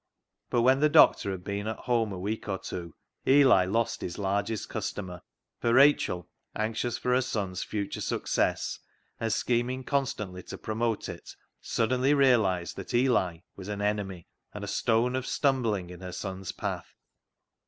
But when the doctor had been at home a week or two, Eli lost his largest consumer, for Rachel, anxious for her son's future success, and scheming constantly to promote it, suddenly realised that Eli was an enemy and a stone of stumbling in her son's path.